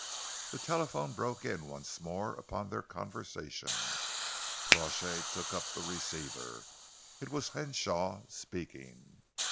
The telephone broke in once more upon their conversation. Crawshay took up the receiver. It was Henshaw speaking.